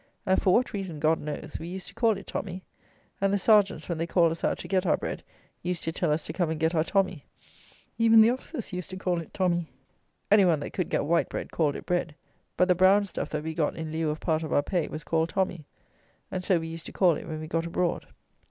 And, for what reason God knows, we used to call it tommy. And the sergeants, when they called us out to get our bread, used to tell us to come and get our tommy. Even the officers used to call it tommy. Any one that could get white bread, called it bread; but the brown stuff that we got in lieu of part of our pay was called tommy; and so we used to call it when we got abroad.